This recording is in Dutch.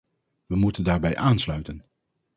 We moeten daarbij aansluiten.